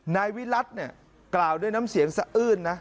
นายวิรัติเนี่ยกล่าวด้วยน้ำเสียงสะอื้นนะ